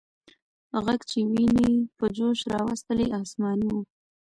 ږغ چې ويني په جوش راوستلې، آسماني و.